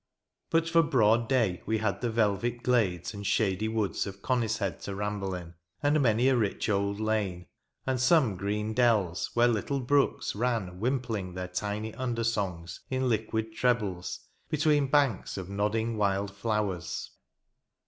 But for broad day we had the velvet glades and shady woods of Conishead to ramble in ; and many a rich old lane, and some green dells, where little brooks ran whimpling their tiny undersongs, in liquid trebles, between banks of nodding wild flowers.